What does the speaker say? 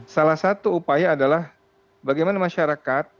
salah satu upaya adalah bagaimana masyarakat